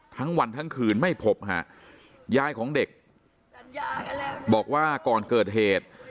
ทั้งวันทั้งคืนไม่พบฮะยายของเด็กบอกว่าก่อนเกิดเหตุ